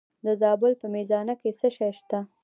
د زابل په میزانه کې څه شی شته؟